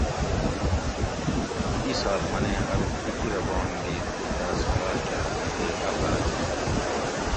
دی اِیسال منیں ارو کِکیرہ بانگ دِیت تے تاۤس حلال کۤراۤ نہ تے آفت ییں